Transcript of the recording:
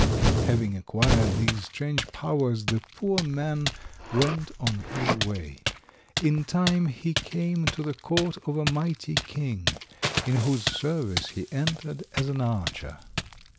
Having acquired these strange powers, the poor man went on his way. In time he came to the court of a mighty king, in whose service he entered as an archer.